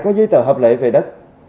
để có giấy tờ hợp lệ về đất